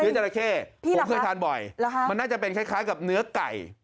จราเข้ผมเคยทานบ่อยมันน่าจะเป็นคล้ายกับเนื้อไก่